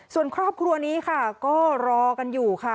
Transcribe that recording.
ส่วนครอบครัวนี้ค่ะก็รอกันอยู่ค่ะ